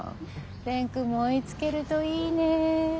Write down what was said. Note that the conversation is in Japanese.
蓮くんも追いつけるといいね。